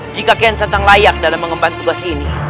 jika kian santa layak dalam mengembal tugas ini